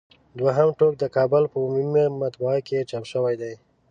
دوهم ټوک د کابل په عمومي مطبعه کې چاپ شوی دی.